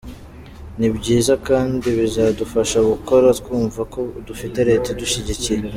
Ni byiza kandi bizadufasha gukora twumva ko dufite Leta idushyigikiye.